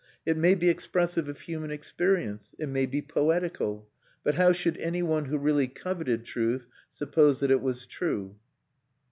It may be expressive of human experience, it may be poetical; but how should anyone who really coveted truth suppose that it was true?